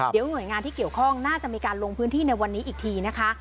เดี๋ยวหน่วยงานที่เกี่ยวข้องน่าจะมีการลงพื้นที่ในวันนี้อีกทีนะคะ